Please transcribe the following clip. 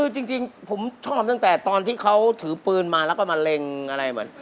คือจริงผมชอบตั้งแต่ตอนที่เขาถือปืนมาแล้วก็มาเล็งอะไรเหมือน